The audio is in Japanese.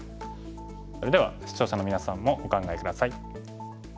それでは視聴者のみなさんもお考え下さい。